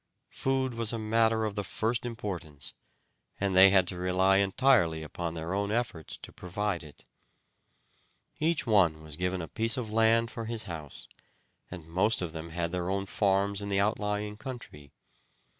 Food was a matter of the first importance, and they had to rely entirely upon their own efforts to provide it. Every one was given a piece of land for his house, and most of them had their own farms in the outlying country.